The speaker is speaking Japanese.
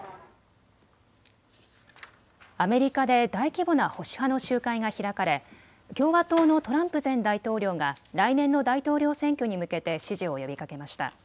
アメリカで大規模な保守派の集会が開かれ共和党のトランプ前大統領が来年の大統領選挙に向けて支持を呼びかけました。